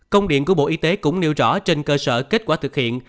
công điện của bộ y tế cũng nêu rõ trên cơ sở kết quả thực hiện